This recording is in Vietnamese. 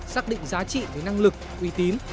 xác định giá trị với năng lực uy tín